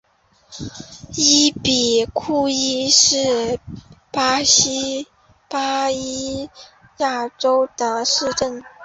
伊比库伊是巴西巴伊亚州的一个市镇。